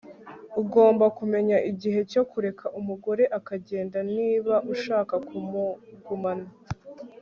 ugomba kumenya igihe cyo kureka umugore akagenda niba ushaka kumugumana